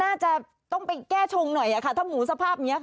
น่าจะต้องไปแก้ชงหน่อยถ้ามูสภาพนี้